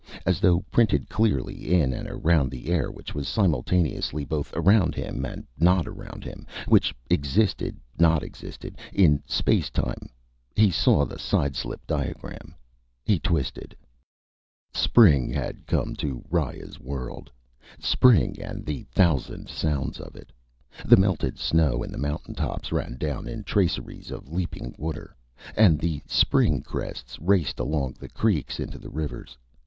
As though printed clearly in and around the air, which was simultaneously both around him and not around him, which existed/not existed in spacetime, he saw the sideslip diagram. He twisted. Spring had come to Riya's world; spring and the thousand sounds of it. The melted snow in the mountaintops ran down in traceries of leaping water, and the spring crests raced along the creeks into the rivers.